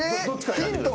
ヒントは？